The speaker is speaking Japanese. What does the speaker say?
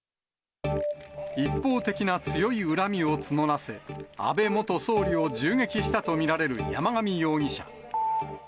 一方的な強い恨みを募らせ、安倍元総理を銃撃したと見られる山上容疑者。